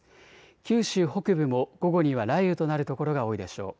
九州北部も午後には雷雨となる所が多いでしょう。